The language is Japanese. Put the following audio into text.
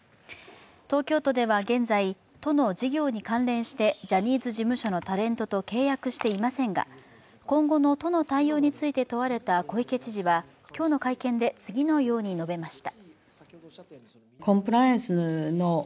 東京都では現在、都の事業に関連してジャニーズ事務所のタレントと契約していませんが、今後の都の対応について問われた小池知事は今日の会見で、次のように述べました。